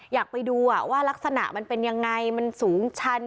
อยากไปดูว่ารักษณะมันเป็นยังไงมันสูงชัน